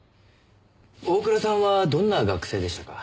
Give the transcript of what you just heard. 大倉さんはどんな学生でしたか？